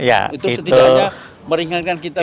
itu setidaknya meringankan kita